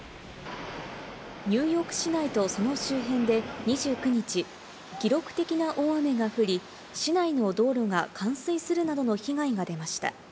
ニューヨーク市内とその周辺で２９日、記録的な大雨が降り、市内の道路が冠水するなどの被害が出ました。